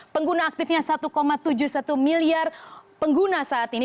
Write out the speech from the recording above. pengguna aktifnya satu tujuh puluh satu miliar pengguna saat ini